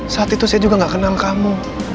saat itu saya juga gak kenal kamu